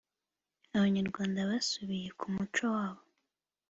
Abanyarwanda basubiye ku muco wabo